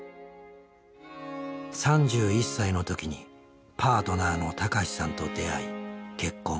３１歳の時にパートナーの孝さんと出会い結婚。